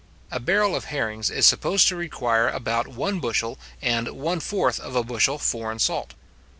A barrel of herrings is supposed to require about one bushel and one fourth of a bushel foreign salt.